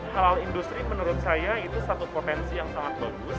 halal industri menurut saya itu satu potensi yang sangat bagus